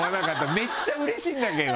めっちゃうれしいんだけど。